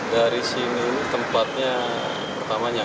dari sini tempatnya pertama nyaman